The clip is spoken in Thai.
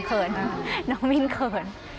เขินน้องมิ้นเขิน